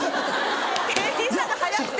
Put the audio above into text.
店員さんが早くて？